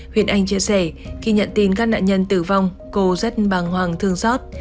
huyện anh chia sẻ khi nhận tin các nạn nhân tử vong cô rất bàng hoàng thương xót